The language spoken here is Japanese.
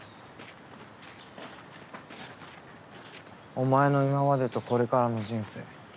お前の今までとこれからの人生